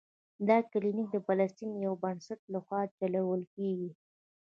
دا کلینک د فلسطین د یو بنسټ له خوا چلول کیږي.